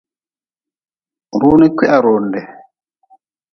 Runi kwiharonde.